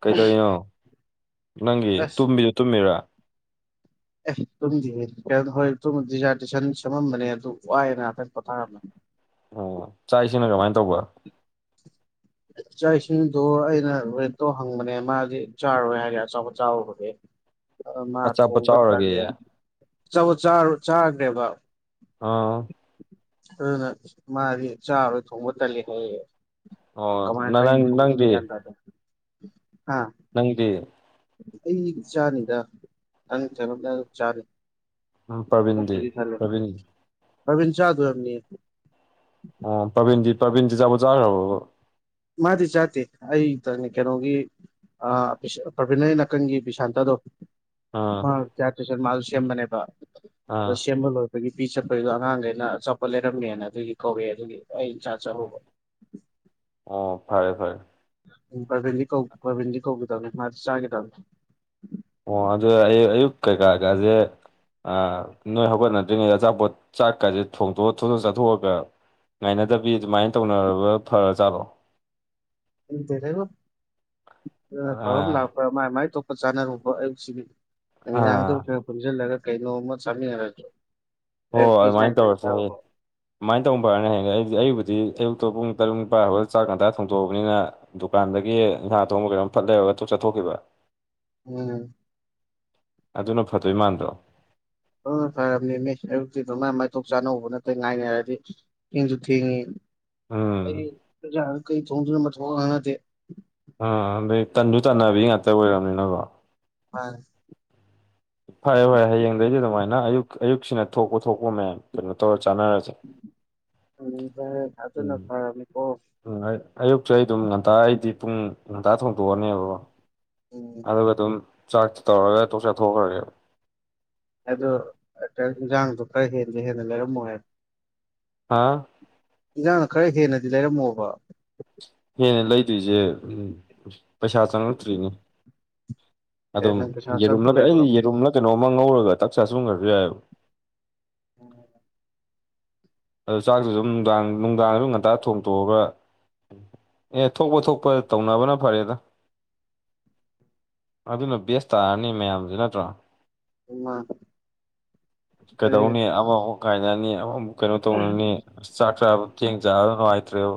ꯀꯩꯗꯧꯅꯣ ꯅꯪꯒꯤ ꯑꯁ ꯇꯨꯝꯕꯤꯗꯣ ꯇꯨꯝꯃꯤꯔꯥ ꯑꯦ ꯇꯨꯝꯗꯤ ꯍꯣꯏꯗꯤꯖ ꯇꯗꯤꯖꯟ ꯁꯦꯝꯃꯝꯕꯅꯦ ꯑꯗꯨ ꯋꯥꯏꯅ ꯍꯥꯏꯇ ꯄꯣꯊꯥꯔꯝꯃꯦ ꯑꯣ ꯆꯥꯛꯁꯤꯅ ꯀꯃꯥꯏꯅ ꯇꯧꯕ ꯏꯥꯛ ꯏꯁꯤꯡꯗꯣ ꯑꯩꯅ ꯔꯦꯠꯇꯣ ꯍꯪꯕꯅꯦ ꯃꯥꯗꯤ ꯆꯥꯔꯣꯏ ꯍꯥꯏꯔꯦ ꯑꯆꯕ ꯆꯥꯕ ꯍꯦ ꯃꯥ ꯑꯆꯥꯄꯣꯠ ꯊꯣꯡꯕ ꯆꯥꯎꯔꯒꯦ ꯇꯜꯂꯦ ꯆꯥꯈ꯭ꯔꯦꯕ ꯑꯥ ꯑꯗꯨꯅ ꯃꯥꯗꯤ ꯆꯥꯔꯣꯏ ꯊꯣꯡꯕ ꯇꯒ ꯍꯥꯏ ꯑꯣ ꯀꯃꯥꯏ ꯅ ꯀꯩ ꯅꯪ ꯐꯪ ꯇꯨꯅ ꯅꯪꯗꯤ ꯀꯟ ꯇꯗ ꯅꯪꯗꯤ ꯑꯩ ꯏ ꯆꯥꯅꯤꯗ ꯅꯪ ꯊꯔꯞꯅ ꯆꯥꯅꯤ ꯎꯝ ꯄ꯭ꯔꯕꯤꯟꯗꯤ ꯄ꯭ꯔꯕꯤꯟ ꯊꯔꯃꯤ ꯆꯥ ꯑꯗꯨ ꯑꯦꯝꯅꯤ ꯑꯣ ꯄ꯭ꯔꯕꯤꯟꯖꯤ ꯄ꯭ꯔꯕꯤꯟꯖꯤ ꯆꯥꯕꯨ ꯆꯥꯈ꯭ꯔꯕ ꯃꯥꯗꯤ ꯆꯥꯇ ꯑꯩ ꯏ ꯇꯅꯤ ꯀꯩꯅꯣꯒꯤ ꯄ꯭ꯔꯕꯤꯅꯔꯤ ꯅꯥꯀꯟꯒꯤ ꯕꯤꯁꯥꯟꯇꯗꯣ ꯑꯥ ꯆꯥꯇꯁ ꯃꯥꯁꯨ ꯁꯦꯝꯕꯅꯦꯕ ꯑ ꯑꯥ ꯁꯦꯝꯕ ꯂꯣꯏꯕꯒꯤ ꯄꯤ ꯆꯠꯄꯒꯤꯗꯣ ꯑꯉꯥꯡꯗ ꯑꯩꯅ ꯑꯆꯥꯄ ꯂꯩꯔꯝꯃꯦꯅ ꯑꯗꯨꯒꯤ ꯀꯧꯋꯦ ꯑꯗꯨꯒꯤ ꯑꯩ ꯏ ꯆꯥ ꯆꯂꯣꯕ ꯑꯣ ꯐꯔꯦ ꯐꯔꯦ ꯎ ꯄꯕꯤꯤꯟꯗꯤ ꯀꯧ ꯄꯕꯤꯟꯗꯤ ꯀꯧꯗꯕ ꯃꯥ ꯆꯥ ꯀꯦ ꯇꯕꯦ ꯑꯣ ꯑꯗꯨ ꯑ ꯑꯌꯨꯛ ꯀꯩꯀꯥ ꯀꯥꯁꯦ ꯑ ꯅꯣꯏ ꯍꯧꯒꯠꯅꯗ꯭ꯔꯤꯉꯩꯗ ꯑꯆꯥꯄꯣꯠ ꯆꯥꯛꯀꯁꯦ ꯊꯣꯡꯗꯣꯛꯑ ꯊꯣꯡꯇꯣꯛ ꯆꯥꯊꯣꯛꯑꯒ ꯉꯥꯏꯅꯗꯕꯤ ꯑꯗꯨꯃꯥꯏꯅ ꯇꯧꯅꯔꯕ ꯐꯔ ꯆꯥꯠꯂꯣ ꯔꯒ ꯊꯥꯎ ꯑꯥ ꯂꯥꯛꯥꯏ ꯃꯥꯥꯏ ꯆꯥꯅꯔꯨꯕ ꯑꯌꯨꯛꯁꯤꯒꯤ ꯅꯨꯃꯤꯗꯥꯡꯗ ꯑꯥ ꯈꯔ ꯄꯨꯟꯁꯤꯜꯂꯒ ꯀꯩꯅꯣꯝꯃ ꯆꯥꯃꯤꯟꯅꯔꯦ ꯍꯣꯏ ꯑꯗꯨꯃꯥꯏꯅ ꯇꯧꯔꯁꯨ ꯍꯌꯦ ꯑꯗꯨꯃꯥꯏꯅ ꯇꯧꯕꯝꯕ꯭ꯔꯅꯤ ꯍꯥꯏꯌꯦ ꯑꯩꯗꯤ ꯑꯩꯕꯨꯗꯤ ꯄꯨꯡ ꯇꯔꯨꯡ ꯄꯥꯣꯏ ꯆꯥꯛ ꯀꯟꯇ ꯊꯣꯡꯗꯣꯛꯑꯕꯅꯤꯅ ꯗꯨꯀꯥꯟꯗꯒꯤ ꯅꯟꯁꯥ ꯑꯊꯣꯡꯕ ꯀꯩꯔꯣꯝ ꯐꯠ ꯂꯩꯔꯒ ꯆꯠꯊꯣꯛꯈꯤꯕ ꯎꯝ ꯑꯗꯨꯅ ꯐꯠꯇꯣꯏ ꯃꯥꯟꯗ꯭ꯔꯣ ꯍꯣꯏ ꯐꯔꯝꯅꯤ ꯃꯤ ꯑꯌꯨꯛꯇꯤ ꯑꯗꯨꯃꯥꯏꯅ ꯃꯥꯏꯊꯧꯞ ꯆꯥꯅꯍꯧꯕ ꯅꯠꯇꯦ ꯉꯥꯏꯅꯔꯗꯤ ꯏꯦꯡꯁꯨ ꯊꯦꯡꯉꯤ ꯑꯩ ꯎꯝ ꯄꯖꯥ ꯀꯩ ꯊꯣꯡꯗꯨꯅ ꯃꯊꯧ ꯍꯥꯟꯅꯗꯦ ꯑꯥ ꯑꯗꯩ ꯇꯟꯗꯨ ꯇꯥꯟꯟꯅꯕꯤ ꯉꯥꯛꯇ ꯑꯣꯏꯔꯕꯅꯤꯅꯀꯣ ꯍ ꯐꯔꯦ ꯐꯔꯦ ꯍꯌꯦꯡꯗꯒꯤꯩꯗꯤ ꯑꯗꯨꯃꯥꯏꯅ ꯑꯌꯨꯛ ꯑꯌꯨꯛꯁꯤꯅ ꯊꯣꯛꯄ ꯊꯣꯛꯄ ꯃꯌꯥꯝ ꯀꯩꯅꯣ ꯇꯧꯔ ꯆꯥꯟꯅꯔꯁꯦ ꯎ ꯑꯗꯨ ꯑꯗꯨꯅ ꯐꯔꯃꯤ ꯀꯣ ꯄꯆꯩ ꯑꯗꯨꯝ ꯉꯟꯇ ꯑꯩꯗꯤ ꯄꯨꯡ ꯉꯟꯇꯥ ꯊꯣꯡꯗꯣꯛꯑꯅꯦꯕ ꯎꯝ ꯑꯗꯨꯒ ꯑꯗꯨꯝ ꯆꯥꯛꯁ ꯇꯧꯔꯒ ꯇꯣꯛ ꯆꯥꯊꯣꯛꯈ꯭ꯔꯒꯦ ꯑꯗꯣ ꯏꯟꯖꯥꯡꯗꯣ ꯈꯔ ꯍꯦꯗꯤ ꯍꯦꯟꯅ ꯂꯩꯔꯝꯃꯣꯏ ꯍꯥꯥ ꯏꯟꯖꯥꯡꯅ ꯈꯔ ꯍꯦꯟꯅꯗꯤ ꯂꯩꯔꯝꯃꯣꯕ ꯍꯦꯟꯅ ꯂꯩꯗꯣꯏꯁꯦ ꯄꯩꯁꯥ ꯆꯪꯪꯂꯉꯛꯇ꯭ꯔꯤꯅꯤ ꯑꯦ ꯑꯗꯨꯝ ꯅꯪ ꯄꯩꯁꯥ ꯌꯦꯔꯨꯝꯅ ꯆꯪꯉꯛꯇꯧ ꯑꯩ ꯂꯩꯕ꯭ꯔꯣ ꯌꯦꯔꯨꯝꯅ ꯀꯩꯅꯣ ꯑꯃ ꯉꯧꯔꯒ ꯆꯥꯛ ꯆꯥ ꯁꯨꯝꯈ꯭ꯔꯁꯨ ꯌꯥꯏ ꯍ ꯑꯗꯨ ꯆꯥꯛꯁꯤꯁꯨ ꯑꯗꯨꯝ ꯅꯨꯡꯗꯥꯡ ꯅꯨꯡꯗꯥꯡ ꯑꯗꯨꯝ ꯉꯟꯇꯥ ꯊꯣꯡꯇꯣꯛꯑꯒ ꯑꯦ ꯊꯣꯛꯄ ꯊꯣꯛꯄ ꯇꯧꯅꯕꯅ ꯐꯔꯦꯗ ꯑꯗꯨꯅ ꯕꯦꯁ ꯇꯥꯔꯅꯤ ꯃꯌꯥꯝꯁꯨ ꯅꯠꯇ꯭ꯔꯣ ꯀꯩꯗ ꯍꯅꯤ ꯑ ꯅꯨꯡꯉꯥꯏꯅꯅꯤ ꯑ ꯀꯩꯅꯣ ꯇꯧꯅꯅꯤ ꯑꯁ ꯆꯥꯛ ꯆꯥꯕ ꯊꯦꯡ ꯆꯥ ꯅꯨꯡꯉꯥꯏꯇ꯭ꯔꯦꯕ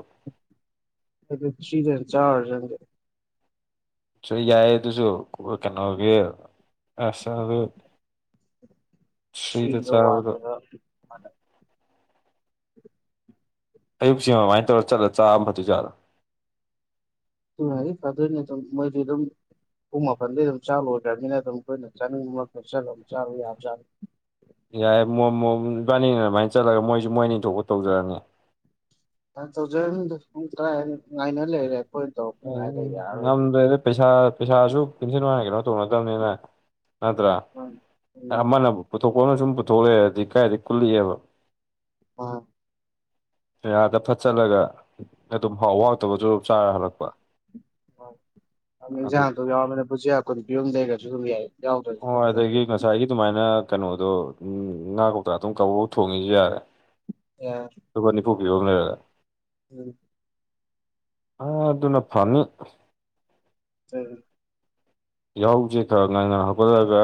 ꯑꯗꯨ ꯁꯤꯗ ꯆꯥ ꯑꯣꯏꯔꯖꯗꯦ ꯁ ꯌꯥꯏꯌꯦ ꯑꯗꯨꯁꯨ ꯀꯩꯅꯣꯒꯤ ꯑꯁ ꯑꯗꯨ ꯐ꯭ꯔꯤꯗ ꯁꯤꯤꯗ ꯔ ꯆꯥꯕꯗꯣ ꯋꯥꯟꯒ ꯃꯅ ꯑꯌꯨꯛꯁꯤ ꯑꯗꯨꯃꯥꯏꯅ ꯇꯧꯔ ꯆꯠꯂ ꯆꯥꯑ ꯐꯗꯨꯖꯥꯠꯂ ꯨꯡ ꯍꯥꯏ ꯐꯗꯣꯏꯅꯦꯠꯇ ꯃꯣꯏ ꯑꯗꯨꯝ ꯄꯨꯡ ꯃꯥꯄꯟꯗꯩ ꯑꯗꯨꯝ ꯆꯥꯂꯨꯗ꯭ꯔꯕꯅꯤꯅ ꯑꯗꯨꯝ ꯀꯨꯏꯅ ꯆꯥꯅꯤꯡ ꯆꯠꯂ ꯑꯗꯨ ꯆꯥꯔꯨꯥꯔꯨ ꯌꯥꯏꯦ ꯃ ꯅꯤꯄꯥꯅꯤꯅ ꯑꯗꯨꯃꯥꯏꯅ ꯆꯠꯂꯒ ꯃꯣꯏꯁꯨ ꯃꯣꯏ ꯅꯤꯡ ꯊꯣꯛꯄ ꯇꯧꯖꯔꯅꯤ ꯊ ꯊꯧꯖꯟ ꯑꯩꯅ ꯂꯩꯦꯦ ꯉꯝꯗ꯭ꯔꯦꯗ ꯄꯩꯁꯥ ꯄꯩꯁꯥꯁꯨ ꯄꯨꯤꯟꯁꯤꯟ ꯋꯥꯅ ꯀꯩꯅꯣ ꯇꯧꯅꯗꯕꯅꯤꯅ ꯅꯠꯇ꯭ꯔ ꯎꯝ ꯑꯃꯅ ꯄꯨ ꯄꯨꯊꯣꯛꯄꯅ ꯁꯨꯝ ꯄꯨꯊꯣꯛꯂꯛꯑꯦꯔꯗꯤ ꯀꯥꯏꯗꯤ ꯀꯨꯜꯂꯤꯑꯕ ꯑ ꯌꯥꯥꯗ ꯐꯠꯆꯜꯂꯒ ꯑꯗꯨꯝꯥꯎꯇꯕꯁꯨ ꯌ ꯃ ꯄꯨ ꯌꯥ ꯑꯗꯨ ꯈꯨ ꯀꯨꯒ ꯖ ꯌꯥꯏ ꯌꯥꯎꯗ꯭ꯔꯁꯨ ꯑꯣ ꯀꯩꯁꯨ ꯅꯠꯇꯦ ꯑꯗꯨꯗꯒꯤ ꯉꯁꯥꯏꯒꯤ ꯑꯗꯨꯃꯥꯏꯅ ꯀꯩꯅꯣꯗꯣ ꯎꯝ ꯉꯥ ꯀꯧꯇ ꯑꯗꯨꯝ ꯀꯕ ꯊꯣꯡꯉꯁꯨ ꯌꯥꯔꯦ ꯌꯥ ꯌ ꯎꯝ ꯑꯗꯨꯅ ꯐꯅꯤ ꯎ ꯌꯥꯍꯧꯁꯦ ꯈꯔ ꯉꯥꯏꯟꯅ ꯍꯧꯒꯠꯂꯒ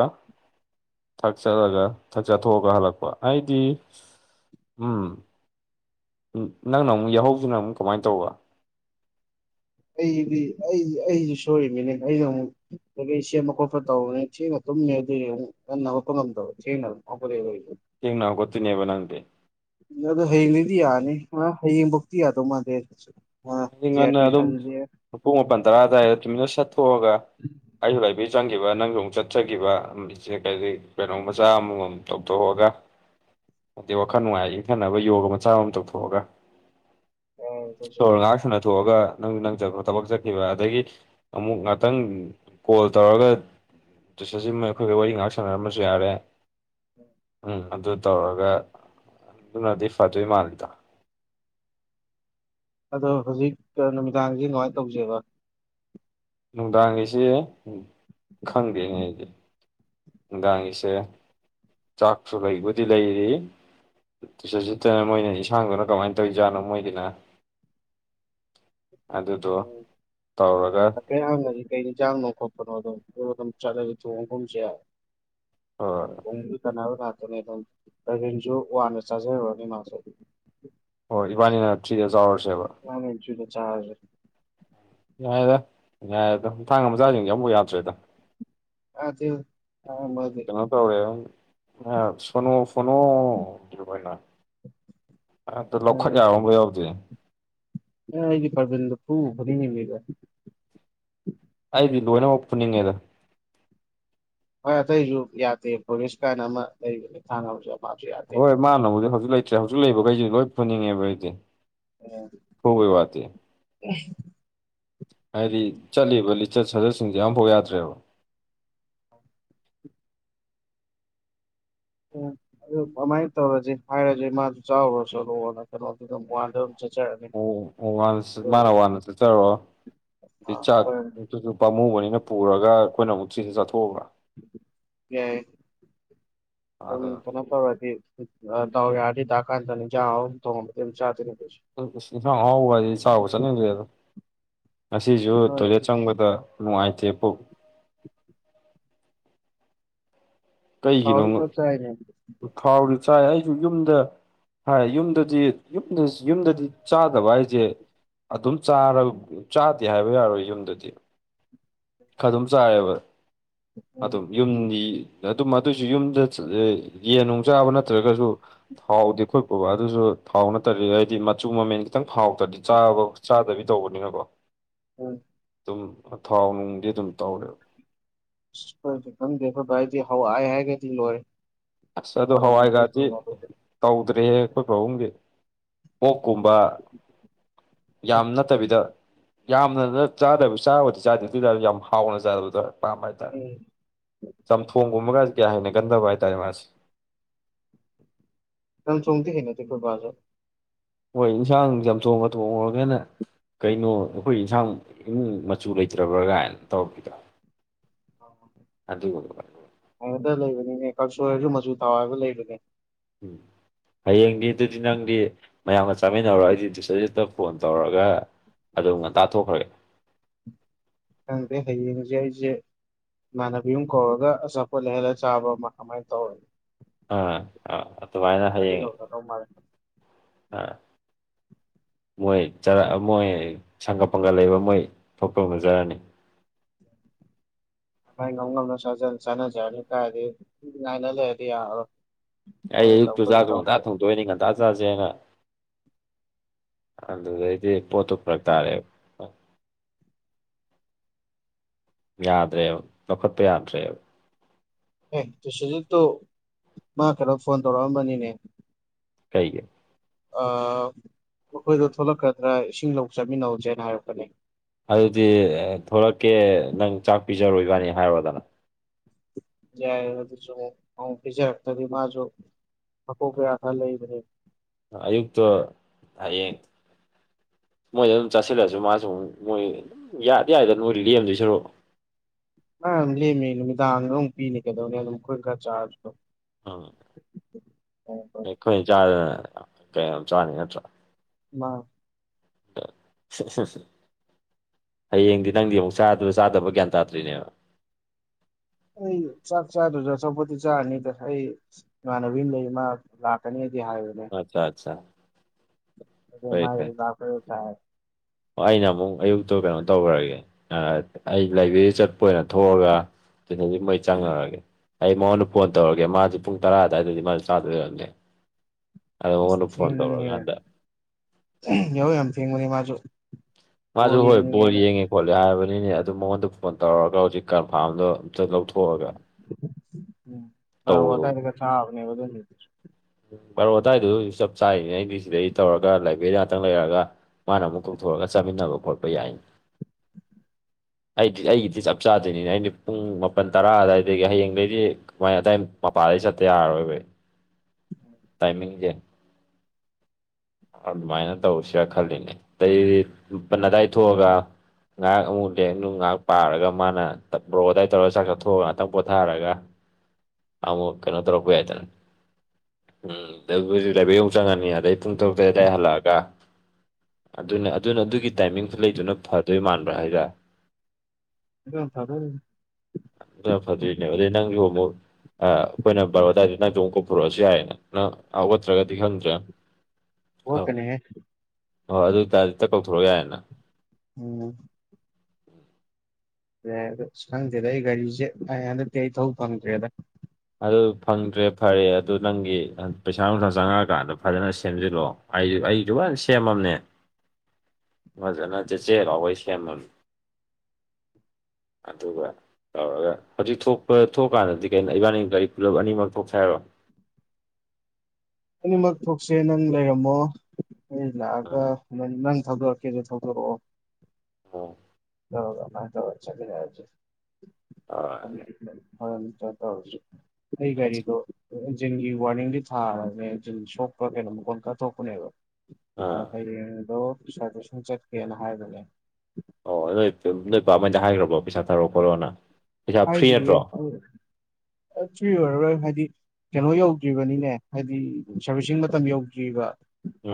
ꯊꯛ ꯆꯠꯂꯒ ꯊꯛ ꯆꯠꯊꯣꯛꯑꯒ ꯍꯜꯂꯛꯄ ꯑꯩꯗꯤ ꯎꯝ ꯅꯪꯅ ꯑꯃꯨꯛ ꯌꯥꯍꯧꯁꯤꯅ ꯑꯃꯨꯛ ꯀꯃꯥꯏꯅ ꯇꯧꯕ ꯑꯩꯗꯤ ꯑꯩ ꯑꯩꯁꯨ ꯁꯣꯏꯃꯤꯅꯦ ꯑꯩꯁꯨ ꯑꯃꯨꯛ ꯀꯀꯩ ꯁꯦꯝꯕ ꯈꯣꯠꯄ ꯇꯧꯕꯅꯤ ꯊꯦꯡꯅ ꯇꯨꯝꯗꯤꯟꯅ ꯎꯄ ꯉꯝ ꯇꯧꯅꯕ ꯑꯗ ꯆꯅꯦꯕ ꯅꯗ ꯑꯗꯨ ꯍꯌꯦꯡꯅꯤꯗꯤ ꯌꯥꯅꯤ ꯍꯌꯦꯡꯐꯧꯗꯤꯤ ꯌꯥꯗꯧ ꯃꯥꯜꯗꯦ ꯑꯩꯗꯤ ꯉꯟꯅ ꯑꯗꯨꯝ ꯄꯨꯡ ꯃꯥꯄꯜ ꯇꯔꯥ ꯑꯗꯨꯋꯥꯏꯗ ꯇꯨꯃꯤꯟꯅ ꯆꯠꯊꯣꯛꯑꯒ ꯑꯩꯁꯨꯕꯤ ꯆꯪꯈꯤꯕ ꯅꯪꯁꯨ ꯑꯃꯨꯛ ꯆꯠꯆꯈꯤꯕ ꯏꯆ ꯀꯩꯅꯣꯝ ꯃꯆꯥ ꯑꯃꯃꯝ ꯇꯧꯊꯣꯛꯑꯒ ꯑꯗꯩ ꯋꯥꯈꯜ ꯅꯨꯡꯉꯥꯏ ꯏ ꯈꯟꯅꯅꯕ ꯌꯣꯒ ꯃꯆꯥ ꯑꯃ ꯇꯧꯊꯣꯛꯑꯒ ꯑ ꯏꯁꯣꯔ ꯉꯥꯏꯍꯥꯛ ꯁꯨꯅ ꯊꯣꯛꯑꯒ ꯅꯪ ꯅꯄ ꯊꯕꯛ ꯆꯠꯈꯤꯕ ꯑꯗꯒꯤ ꯑꯃꯨꯛ ꯉꯥꯛꯇꯪ ꯀꯣꯜ ꯇꯧꯔꯒ ꯇꯆꯔꯁꯤꯃ ꯑꯩꯈꯣꯏꯒ ꯋꯥꯔꯤ ꯉꯥꯛ ꯁꯥꯟꯅꯔꯝꯃꯁꯨ ꯌꯥꯔꯦ ꯎꯝ ꯑꯗꯨ ꯇꯧꯔꯒ ꯑꯗꯨꯅꯗꯤ ꯐꯗꯣꯏ ꯃꯥꯜꯂꯤꯗ ꯑꯗꯣ ꯍꯧꯖꯤꯛ ꯅꯨꯃꯤꯗꯥꯡꯁꯤ ꯅꯨꯡꯉꯥꯏꯅ ꯇꯧꯁꯦꯕ ꯅꯨꯡꯗꯥꯡꯒꯤꯁꯦ ꯈꯪꯗꯦꯅꯦ ꯑꯩꯗꯤ ꯗꯥꯥꯡ ꯏꯁꯦ ꯆꯥꯛꯁꯨ ꯂꯩꯩꯕꯨꯗꯤ ꯂꯩꯔꯤ ꯇꯨꯆꯠ ꯆꯠꯇꯅ ꯃꯣꯏꯅ ꯌꯦꯟꯁꯥꯡꯗꯨꯅ ꯀꯃꯥꯏꯅ ꯇꯧꯔꯤꯖꯥꯠꯅꯣ ꯃꯣꯏꯒꯤꯅ ꯑꯗꯨꯗꯣ ꯇꯧꯔꯒ ꯀꯌꯥꯝꯥꯡꯅꯗꯤ ꯀꯩ ꯌꯦꯟꯖꯥꯡꯅꯣ ꯈꯣꯠꯄꯅꯣ ꯑꯗꯨꯝ ꯑꯗꯨꯝ ꯆꯠꯂꯒ ꯊꯣꯡꯒꯨꯝꯁꯦ ꯑꯣ ꯍꯣꯏ ꯀꯅꯥ ꯑꯗꯨꯝꯁꯨ ꯋꯥꯅ ꯆꯥꯖꯔꯨꯔꯅꯤ ꯃꯥꯁꯦ ꯍꯣꯏ ꯏꯕꯥꯅꯤꯅ ꯊ꯭ꯔꯤꯗ ꯆꯥꯎꯎꯔꯁꯦꯕ ꯑꯃꯤꯆꯗ ꯆꯥꯖꯦ ꯌꯥꯏꯦꯗ ꯌꯥꯏꯦ ꯑꯗ ꯊꯥꯡꯒ ꯃꯆꯥꯁꯤꯡꯁꯦ ꯑꯃꯨꯛ ꯌꯥꯗ꯭ꯔꯦꯗ ꯑꯗ ꯀꯩꯅꯣ ꯇꯧꯔꯦ ꯐꯣꯅꯣ ꯐꯅꯣꯔꯅ ꯑ ꯑꯗꯨ ꯂꯧꯈꯠ ꯌꯥꯔꯕ ꯌꯥꯎꯗꯦ ꯑ ꯑꯩꯒꯤ ꯄꯔꯕꯗ ꯊ ꯐꯗꯤꯅꯤꯃꯤꯒ ꯑꯩꯗꯤ ꯂꯣꯏꯅꯃꯛ ꯄꯨꯅꯤꯡꯉꯦꯗ ꯍꯣꯏ ꯑꯇꯩꯁꯨ ꯌꯥꯗꯦ ꯐꯔꯤꯁ ꯀꯥꯏꯅ ꯑꯃ ꯂꯩꯕꯅꯦ ꯊꯥꯅꯕꯁꯨ ꯍꯣꯏ ꯃꯥꯅꯕꯨꯗꯤ ꯍꯧꯖꯤꯛ ꯂꯩꯇ꯭ꯔꯦ ꯍꯧꯖꯤꯛ ꯂꯩꯕꯈꯩꯁꯤꯗꯤ ꯂꯣꯏ ꯐꯨꯅꯤꯡꯉꯦꯕ ꯑꯩꯗꯤ ꯐꯨꯕꯩ ꯋꯥꯗꯤ ꯎꯝ ꯍꯥꯏꯗꯤ ꯆꯠꯂꯤꯕ ꯂꯤꯆꯠ ꯁꯥꯖꯠꯁꯤꯡꯁꯦ ꯌꯥꯝꯐꯥꯎ ꯌꯥꯗ꯭ꯔꯦꯕ [inaudible] ꯎꯝ ꯑꯗꯨ ꯑꯗꯨꯃꯥꯏꯅ ꯇꯧꯔꯁꯤ ꯍꯥꯏꯔꯁꯤ ꯃꯥꯗꯨ ꯆꯥꯎꯔꯨꯔꯁꯨ ꯂꯣꯅ ꯀꯩꯅꯣ ꯑꯗꯨꯗ ꯋꯥ ꯑꯣ ꯋꯥꯟꯁ ꯃꯥꯅ ꯋꯥꯟꯁ ꯆꯂꯣ ꯑꯩ ꯆꯥꯛꯠꯇꯨꯁꯨ ꯄꯥꯝꯃꯨꯕꯅꯤꯅ ꯄꯨꯔꯒ ꯑꯩꯈꯣꯏꯅ ꯑꯃꯨꯛ ꯆꯁꯤ ꯆꯠꯊꯣꯛ ꯌꯥ ꯑꯗ ꯊꯅ ꯐꯗꯤ ꯇ ꯌꯥꯗꯗꯤ ꯗꯥꯛꯀꯥꯟ ꯇꯅꯤꯖ ꯇ ꯆꯥꯅꯤ ꯁ ꯌꯦꯟꯁꯥꯡ ꯍꯍꯥꯎꯕ ꯍꯥꯏꯗꯤ ꯆꯥꯎꯕ ꯆꯠꯅꯤꯡꯗ꯭ꯔꯦ ꯑꯗꯣ ꯉꯁꯤꯁꯨ ꯇꯣꯏꯂꯦꯠ ꯍꯣꯏ ꯆꯪꯕꯗ ꯅꯨꯡꯉꯥꯏꯇꯦ ꯄꯨꯣꯛ [inaudible] ꯀꯩꯒꯤꯅꯣ ꯊꯥꯎꯗꯤ ꯐꯖꯅ ꯆꯥꯏꯅꯦ ꯐꯥꯎꯔꯤ ꯆꯥꯏ ꯑꯩꯁꯨ ꯌꯨꯝꯗ ꯍꯥꯏ ꯌꯨꯝꯗꯗꯤ ꯌꯨꯝꯗ ꯌꯨꯝꯗꯗꯤ ꯆꯥꯗꯕ ꯍꯥꯏꯁꯦ ꯑꯗꯨꯝ ꯆꯥꯗꯦ ꯍꯥꯏꯕ ꯌꯥꯔꯣꯏ ꯌꯨꯝꯗꯗꯤ ꯑꯗꯨꯝ ꯆꯥꯏꯌꯦꯕ ꯎꯝ ꯑꯗꯨꯝ ꯌꯨꯝꯒꯤ ꯑꯗꯨ ꯃ ꯑꯗꯨꯁꯨ ꯌꯨꯝꯗ ꯌꯦꯟ ꯅꯨꯡ ꯆꯥꯕ ꯅꯠꯇ꯭ꯔꯒꯁꯨ ꯊꯥꯎꯗꯤ ꯈꯣꯠꯄꯕ ꯑꯗꯨꯁꯨ ꯐꯥꯎ ꯅꯠꯇꯕꯤ ꯍꯥꯏꯗꯤ ꯃꯆꯨ ꯃꯃꯦꯟ ꯈꯤꯇꯪ ꯐꯥꯎꯗ꯭ꯔꯗꯤ ꯆꯥꯕ ꯆꯥꯗꯕꯤ ꯇꯧꯕꯅꯤꯅꯀꯣ ꯍꯣꯏ ꯑꯗꯨꯝ ꯊꯥꯎ ꯅꯨꯡꯗꯤ ꯑꯗꯨꯝ ꯇꯧꯔꯦꯕ ꯦꯣ ꯚꯥꯏꯗꯤ ꯍꯋꯥ ꯍꯥꯏꯒ ꯂꯣꯏꯦ ꯑꯁ ꯑꯗꯣ ꯍꯋꯥꯏ ꯔꯗꯤ ꯇꯧꯗ꯭ꯔꯦꯍꯦ ꯑꯩꯈꯣꯏ ꯐꯥꯕꯨꯡꯒꯤ ꯑꯣ ꯀꯨꯝꯕ ꯌꯥꯝ ꯅꯠꯇꯕꯤꯗ ꯌꯥꯝꯅ ꯆꯥꯗꯕ ꯆꯥꯕꯗꯤ ꯆꯥꯗꯦ ꯑꯗꯨ ꯑꯣꯏꯇꯥꯔꯗꯤ ꯌꯥꯝ ꯍꯥꯎꯅ ꯆꯥꯗꯕꯗꯔꯦ ꯄꯥꯝꯕ ꯍꯥꯏꯇꯥꯔꯦ ꯎꯝ ꯆꯝꯊꯣꯡꯒꯨꯝꯕꯒꯁꯤ ꯀꯌꯥ ꯍꯟꯅꯒꯟꯗꯕ ꯍꯥꯏꯇꯥꯔꯦ ꯃꯥꯁꯦ ꯀ ꯆꯣꯡꯇ ꯍ ꯅ ꯇ ꯐꯣꯏꯕꯕꯥꯖꯔ ꯍꯣꯏ ꯏꯟꯁꯥꯡ ꯆꯝꯊꯣꯡꯉ ꯊꯣꯡꯉꯨꯔꯒꯦꯅꯦ ꯀꯩꯅꯣ ꯑꯩꯈꯣꯏ ꯏꯟꯁꯥꯡ ꯏꯃꯨꯡ ꯃꯆꯨ ꯂꯩꯇ꯭ꯔꯕ꯭ꯔꯥ ꯀꯥꯏꯅ ꯇꯧꯔꯈꯤꯗꯣ ꯍꯉꯇ ꯂꯩꯕꯅꯤꯅꯦ ꯀꯥꯡꯛꯁꯣꯏ ꯍꯥꯏꯔꯁꯨ ꯃꯆꯨ ꯊꯥꯎ ꯍꯥꯏꯕ ꯂꯩꯕꯅꯦ ꯎꯝ ꯍꯌꯦꯡꯗꯤ ꯑꯗꯨꯗꯤ ꯅꯪꯗꯤ ꯃꯌꯥꯝꯒ ꯆꯥꯃꯤꯟꯅꯔꯒ ꯑꯩꯗꯤ ꯇꯨꯏꯁꯔꯗꯨꯗ ꯐꯣꯟ ꯇꯧꯔꯒ ꯑꯗꯨꯒ ꯉꯇꯥꯊꯣꯛꯈ꯭ꯔꯒꯦ ꯇꯥꯡꯗꯦ ꯍꯖꯦꯁꯦ ꯏꯃꯥꯟꯅꯕꯤ ꯑꯃ ꯀꯧꯔꯒ ꯑꯆꯥꯄꯣꯠ ꯂꯩꯍꯜꯂ ꯆꯥꯕ ꯑꯃ ꯑꯗꯨꯃꯥꯏꯅ ꯇꯧꯔꯅꯤ ꯑ ꯑ ꯑꯗꯨ ꯑꯗꯨ ꯅ ꯈꯔꯧ ꯃꯥ ꯑꯥ ꯃꯣꯏ ꯆꯔꯛꯑ ꯃꯣꯏ ꯁꯪꯒ ꯄꯪꯒꯠ ꯂꯩꯕ ꯃꯣꯏ ꯊꯣꯛꯄ ꯉꯅꯖꯔꯅꯤ [unintelligible] ꯥꯏ ꯉ ꯉꯝꯅ ꯆꯥꯟꯅꯖꯔꯅꯤ ꯀꯥꯏꯔꯗꯤ ꯉꯥꯏꯅ ꯂꯩꯔꯗꯤ ꯌꯥꯣ ꯑꯩ ꯑꯌꯨꯛꯇꯨꯖꯒ ꯊꯗ ꯉ ꯆ ꯆꯁꯦꯅ ꯑꯗꯨꯗꯩꯗꯤ ꯄꯣꯠꯇ ꯐꯔꯛ ꯇꯔꯦ ꯌꯥꯗ꯭ꯔꯦꯕ ꯂꯧꯈꯠꯄ ꯌꯥꯗ꯭ꯔꯦꯕ ꯑꯦ ꯇꯨꯁꯤꯖꯤꯠꯇꯨ ꯃꯥ ꯀꯩꯅꯣ ꯐꯣꯟ ꯇꯧꯔꯛꯑꯝꯕꯅꯤꯅꯦ ꯀꯩꯒ ꯃꯈꯣꯏꯗꯣ ꯊꯣꯛꯂꯛꯀꯗ꯭ꯔꯥ ꯏꯁꯤꯡ ꯂꯧ ꯆꯠꯃꯤꯟꯅꯧꯁꯦꯅ ꯍꯥꯏꯔꯛꯄꯅꯤ ꯑꯗꯨꯗꯤ ꯊꯂꯛꯀꯦ ꯅꯪ ꯆꯥꯛ ꯄꯤꯖꯔꯣꯏꯕꯅꯤ ꯍꯥꯏꯔꯣꯗꯅ ꯌꯥꯖꯦ ꯍꯗꯤ ꯃꯥꯁꯨ ꯍꯥꯀꯣ ꯀꯌꯥ ꯊꯥ ꯂꯩꯕ ꯂꯩ ꯑꯌꯨꯛꯇꯛꯇ ꯍꯥꯏꯌꯦꯡ ꯃꯣꯏꯗ ꯑꯗꯨꯝ ꯆꯠꯁꯤꯜꯂꯁꯨ ꯃꯥꯁꯨꯨ ꯃꯣꯏ ꯌꯥꯗꯤ ꯌꯥꯔꯦꯗ ꯅꯣꯏ ꯂꯦꯝꯗꯣꯏ ꯁꯔꯨ [inaudible] ꯑ ꯂꯃꯤ ꯅꯨꯃꯤꯗꯥꯡꯗ ꯄꯤꯅꯤ ꯀꯩꯗꯅꯤ ꯑꯗꯨꯣꯏ ꯈ ꯆꯥ ꯑ ꯆꯥ ꯀꯩꯅ ꯆꯥꯅꯤ ꯅꯠꯇ꯭ꯔ ꯃꯥ ꯑ ꯍꯌꯦꯡꯗꯤ ꯅꯪꯗꯤ ꯑꯃꯨꯛ ꯆꯥꯗꯕ ꯒ꯭ꯌꯥꯟ ꯇꯥꯗ꯭ꯔꯤꯅꯦꯕ ꯑꯩ ꯆꯥꯛ ꯆꯥꯔꯖ ꯆꯄꯠꯇꯤ ꯆꯥꯔꯅꯤ ꯇ ꯍꯩ ꯃꯥꯅꯕꯤ ꯂꯩ ꯂꯥꯛꯒꯅꯤ ꯑꯠꯆꯥ ꯑꯠꯆꯥ ꯑ ꯐꯩ ꯐꯩ ꯃꯥꯥꯏꯕꯥꯄꯔ ꯊꯥꯏ ꯑꯩꯅ ꯑꯃꯨꯛ ꯑꯌꯨꯛꯇꯨ ꯀꯩꯅꯣ ꯇꯧꯈ꯭ꯔꯒꯦ ꯑꯩ ꯂꯥꯏꯕꯦꯔꯤ ꯆꯠꯄ ꯑꯣꯏꯅ ꯊꯣꯛꯑꯒ ꯑꯗꯨꯅꯗꯤ ꯃꯩ ꯆꯪꯉꯛꯑꯒꯦ ꯑꯩ ꯃꯉꯣꯟꯗ ꯐꯣꯟ ꯇꯧꯔꯒꯦ ꯃꯥꯁꯦ ꯄꯨꯡ ꯇꯔꯥ ꯑꯗꯨꯋꯥꯏꯗꯗꯤ ꯃꯥꯁ ꯆꯥꯗ ꯂꯩꯔꯝꯂꯦ ꯊꯤꯃꯅꯤ ꯍ ꯌꯥꯎ ꯌꯥꯝ ꯊꯤꯃꯅꯤ ꯃꯥꯁꯨ ꯃꯥꯁꯨ ꯕꯣꯜ ꯍꯣꯏ ꯕꯣꯏ ꯌꯦꯡꯉꯦꯅ ꯌꯦꯡꯉꯦ ꯈꯣꯠꯂꯦ ꯍꯥꯏꯔꯕꯅꯤꯅꯦ ꯑꯗꯨ ꯃꯉꯣꯟꯗ ꯐꯣꯟ ꯇꯧꯔꯛꯑꯒ ꯍꯧꯖꯤꯛ ꯀꯟꯐꯥꯔꯝꯗꯣ ꯑꯇ ꯂꯧꯊꯣꯛꯑꯒ ꯎꯝ ꯇꯧ ꯕꯥꯔꯣ ꯑꯗꯥꯏꯗꯒ [unintelligible] ꯚꯔꯣ ꯋꯥꯇꯥꯏꯗꯨ ꯆꯞ ꯆꯥꯔꯤꯅꯦ ꯑꯩꯒꯤ ꯁꯤꯗꯩ ꯇꯧꯔꯒ ꯂꯥꯏꯕ꯭ꯔꯦꯔꯤ ꯉꯥꯛꯇꯪ ꯂꯩꯔꯒ ꯃꯥꯅ ꯑꯃꯨꯛ ꯀꯧꯊꯣꯔꯒ ꯆꯥꯃꯤꯟꯅꯕ ꯈꯣꯠꯄ ꯌꯥꯏ ꯑꯩꯗꯤ ꯑꯩꯒꯤꯗꯤ ꯆꯞ ꯆꯥꯗꯣꯏꯅꯤꯅꯦ ꯑꯩꯅ ꯄꯨꯡ ꯃꯥꯄꯜ ꯇꯔꯥ ꯑꯗꯨꯋꯥꯏꯗꯒꯤ ꯍꯌꯦꯡꯗꯒꯤꯩꯗꯤ ꯀꯃꯥꯏ ꯑꯗꯨꯗꯥꯏ ꯃꯄꯥꯥꯟꯗꯩ ꯆꯠꯇ ꯌꯥꯔꯔꯣꯏꯕꯩ ꯇꯥꯏꯃꯤꯡꯁꯦ ꯑꯗꯨꯃꯥꯏꯅ ꯇꯧꯁꯤꯔꯥ ꯈꯜꯂꯤꯅꯦ ꯑꯇꯩ ꯂ ꯑꯗꯥꯏ ꯊꯣꯛꯑꯒ ꯉꯥꯏꯍꯥꯛ ꯑꯃꯨꯛ ꯂꯦꯡꯅꯨ ꯉꯥꯏꯍꯥꯛ ꯄꯥꯔꯒ ꯃꯥꯅ ꯕ꯭ꯔꯣ ꯑꯗꯥꯏ ꯇꯧꯔꯒ ꯆꯥꯛ ꯆꯥꯊꯣꯛꯑꯒ ꯉꯥꯛꯇꯪ ꯄꯣꯊꯥꯔꯒ ꯑꯃꯃꯨ ꯀꯩꯅꯣ ꯇꯔꯄ ꯌꯥꯏꯇꯦ ꯎꯝ ꯑꯗ ꯍꯧꯖꯤꯛ ꯂꯕ ꯌꯧ ꯆꯪꯉꯅꯤ ꯑꯗꯩ ꯄꯨꯡ ꯇꯔꯨꯛꯇ ꯑꯗꯥꯏ ꯍꯜꯂꯛꯑꯒ ꯑꯗꯨꯅ ꯑꯗꯨꯅ ꯑꯗꯨꯒꯤ ꯇꯥꯏꯃꯤꯡꯁꯨ ꯂꯩꯗꯨꯅ ꯐꯗꯣꯏ ꯃꯥꯟꯕ꯭ꯔꯥ ꯍꯥꯏꯔ ꯑꯗꯨꯅ ꯐꯗꯣꯏꯅꯤ ꯑ ꯐꯗꯅꯦ ꯑꯗꯨꯗꯩ ꯅꯪ ꯌꯃꯣ ꯑꯩꯈꯣꯏꯅ ꯕꯥꯔꯑꯣꯗꯥꯏꯗ ꯅꯥ ꯆꯣꯡ ꯀ ꯄꯨꯔꯛꯑꯁꯨ ꯌꯥꯏꯌꯦꯅ ꯅꯪ ꯍꯧꯒꯠꯇ꯭ꯔꯒꯗꯤ ꯈꯪꯗ꯭ꯔꯦ ꯍꯇꯅꯦ ꯍꯣꯏꯣꯏ ꯑꯗꯨ ꯑꯣꯏꯇꯥꯔꯗꯤ ꯇ ꯀꯧꯊꯣꯔꯛꯑꯣ ꯌꯥꯏꯌꯦꯅ ꯎꯝ ꯑꯗꯨ ꯈꯪꯗꯦꯗ ꯑꯩ ꯒꯥꯔꯤꯁꯦ ꯑꯩ ꯍꯟꯗꯛꯇꯤ ꯑꯩ ꯊꯧꯕ ꯐꯪꯗ꯭ꯔꯦꯗ ꯑꯗꯨ ꯐꯪꯗ꯭ꯔꯦ ꯐꯔꯦ ꯑꯗꯨ ꯅꯪꯒꯤ ꯄꯩꯁꯥ ꯅꯨꯡꯁꯥ ꯆꯪꯉꯛꯑꯀꯥꯟꯗ ꯐꯖꯅ ꯁꯦꯝꯖꯤꯜꯂꯛꯑꯣ ꯑꯩ ꯑꯩꯁꯨ ꯂꯅ ꯁꯦꯝꯃꯝꯅꯦ ꯃꯖꯅ ꯆꯦ ꯆ ꯑꯣꯋꯥꯩ ꯁꯃꯃꯅꯤ ꯑꯗꯨꯒ ꯇꯧꯔꯒ ꯍꯧꯖꯤꯛ ꯊꯣꯛꯄ ꯊꯣꯛꯑꯀꯥꯟꯗꯗꯤ ꯀꯩꯅꯣ ꯏꯕꯥꯅꯤ ꯒꯥꯔꯤ ꯄꯨꯂꯞ ꯑꯅꯤꯃꯛ ꯊꯣꯛꯁꯥꯏꯔꯣ ꯑꯅꯤꯃꯛ ꯊꯣꯛꯣꯛꯁꯦ ꯅꯪ ꯂꯩꯔꯝꯃꯣ ꯅ ꯂꯥꯛꯑꯒ ꯑꯥ ꯅ ꯅꯪ ꯊꯧꯗꯣꯔꯛꯀꯦꯁꯨ ꯊꯧꯗꯣꯔꯛꯑꯣ ꯑ ꯍꯃꯥꯏ ꯇ ꯆꯕꯤ ꯍꯥꯏꯦ ꯍ ꯑꯥ ꯆ ꯇꯧꯔ ꯀ ꯀꯔꯤꯗꯣ ꯖꯤꯟꯒꯤ ꯋꯥꯔꯅꯤꯡꯗꯤ ꯊꯥꯔꯅꯦ ꯖꯤꯟ ꯁꯣꯛꯄ ꯀꯩꯅꯣ ꯃꯈꯣꯟ ꯀꯠꯊꯣꯛꯄꯅꯦꯕ ꯑꯥ ꯍꯌꯦꯡꯗꯣ ꯁꯥꯔꯇꯁꯟ ꯆꯠꯀꯦꯅ ꯍꯥꯏꯕꯅꯦ ꯑꯣ ꯅꯣꯏ ꯅꯣꯏ ꯄꯥꯃꯗ ꯍꯥꯏꯈ꯭ꯔꯕꯣ ꯄꯩꯁꯥ ꯊꯥꯔꯣ ꯈꯣꯠꯂꯣꯅ ꯄꯩꯁꯥ ꯐ꯭ꯔꯤ ꯍꯥꯏꯗ꯭ꯔꯤꯌꯦꯦ ꯅꯠꯇ꯭ꯔꯣ ꯑꯣꯏꯔꯣꯏ ꯍꯥꯏꯗꯤ ꯀꯩꯅꯣ ꯌꯧꯗ꯭ꯔꯤꯕꯅꯤꯅꯦ ꯍꯥꯏꯗꯤ ꯁꯥꯔꯚꯁꯤꯡ ꯃꯇꯝ ꯌꯧꯗ꯭ꯔꯤꯕ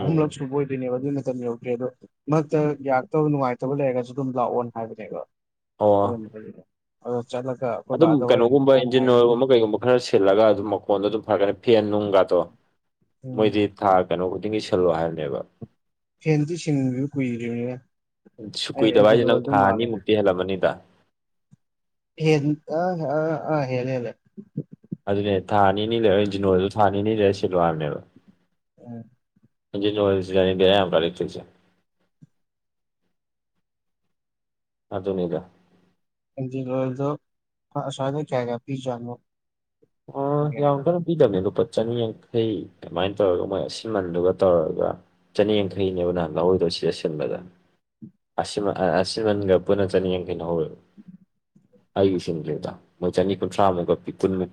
ꯑꯍꯨꯝꯂꯛ ꯁ ꯎꯕꯣꯣꯏ ꯇꯅꯤ ꯅ ꯌꯧꯗꯦ ꯑꯗꯣ ꯃꯔꯛꯇ ꯌꯥꯔꯛꯇꯕ ꯅꯨꯡꯉꯥꯏꯇꯕ ꯂꯩꯔꯒꯁꯨ ꯑꯗꯨꯝ ꯂꯥꯛꯑꯣ ꯍꯥꯏꯕꯅꯦꯕ ꯑꯣ [unintelligible] ꯑꯩꯈꯣꯏ ꯑꯗꯨꯝ ꯕꯥꯗ ꯍꯣꯔꯦꯟ ꯀꯩꯅꯣꯒꯨꯝꯕ ꯃꯥꯅ ꯏꯟꯖꯤꯟ ꯍꯥꯏꯔꯤꯕ ꯑꯣꯏꯔꯒꯨꯝꯕ ꯀꯩꯒꯨꯝꯕ ꯈꯔ ꯁꯤꯜꯂꯒ ꯑꯗꯨꯝ ꯃꯈꯀꯣꯟꯗ ꯑꯗꯨꯝ ꯐꯔꯒꯅ ꯐꯦꯟ ꯅꯨꯡꯒꯗꯣ ꯎꯝ ꯃꯣꯏꯗꯤ ꯊꯥ ꯀꯩꯅꯣ ꯈꯨꯗꯤꯡꯒꯤ ꯁꯤꯜꯂꯣ ꯍꯥꯏꯕꯅꯦꯕ ꯐꯦꯟꯗꯤ ꯁꯤꯡꯁꯨ ꯀꯨꯏꯔꯤꯅꯦ ꯁꯨ ꯀꯨꯏꯗꯕ ꯍꯥꯏꯁꯦ ꯅꯪ ꯊꯥ ꯑꯅꯤꯃꯨꯛꯇꯤ ꯍꯦꯜꯂꯝꯕꯅꯤꯗ ꯍꯦ ꯑ ꯑꯥ ꯍꯦꯂ ꯍꯦꯂ ꯑꯗꯨꯅꯦ ꯊꯥ ꯅꯤꯅꯤ ꯂꯩꯔ ꯖꯤꯅꯣꯗꯨ ꯊꯥ ꯅꯤꯅꯤ ꯂꯩꯔ ꯁꯤꯜꯋꯥꯝꯅꯦꯕ ꯎꯝ ꯑꯗꯨꯖꯤ ꯅꯣꯡꯋꯥꯁ ꯌꯥꯅꯤ ꯀꯦꯔ ꯌꯥꯝꯔ ꯂꯤ ꯊꯁ ꯑ ꯑꯗꯨꯅꯤꯗ ꯗꯣꯁꯗ ꯀꯌꯥꯒ ꯄ ꯆꯥꯣ ꯑ ꯍ ꯀ ꯄꯤꯖꯅꯦ ꯑꯗꯨꯕꯨ ꯄ ꯆꯆꯥꯅꯤ ꯍꯩ ꯑꯗꯨꯃꯥꯏꯅ ꯇꯧꯔꯒ ꯃꯣꯏ ꯑꯁꯤꯟꯃꯟꯗꯨꯒ ꯇꯧꯔꯒ ꯆꯅꯤ ꯌꯥꯡꯈꯩꯅꯦꯕ ꯅꯍꯥꯟ ꯂꯧꯍꯣꯏꯗꯧ ꯁꯤꯗ ꯁꯤꯟꯕꯅꯤ ꯑꯁꯤꯃꯟꯒ ꯄꯨꯟꯅ ꯆꯅꯤꯌꯥꯡꯈꯩꯅ ꯍꯧꯋꯦꯕ ꯎꯝ ꯑꯩꯒꯤꯁꯤꯡ ꯂꯩꯗ ꯃꯣꯏ ꯆꯅꯤ ꯀꯨꯟꯊ꯭ꯔꯥꯃꯨꯛ [unintelligible]